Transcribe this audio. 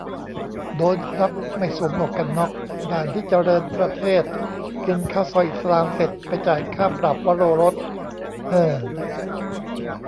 โดนครับ ไม่สวมหมวกกันน็อก ด่านที่เจริญประเทศ กินข้าวซอยอิสลามเสร็จ ไปจ่ายค่าปรับวโรรส เฮ่อ